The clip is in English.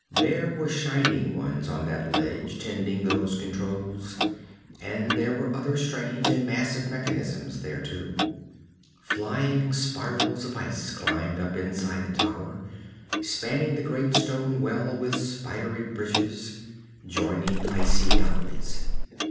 There were shining ones on that ledge tending those controls, and there were other strange and massive mechanisms there too. Flying spirals of ice climbed up inside the tower, spanning the great stone well with spidery bridges, joining icy galleries.